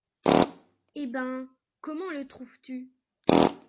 Eh bien… comment le trouves-tu ?…